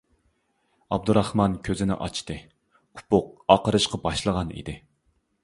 ئابدۇراخمان كۆزىنى ئاچتى، ئۇپۇق ئاقىرىشقا باشلىغان ئىدى.